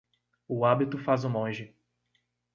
O hábito faz o monge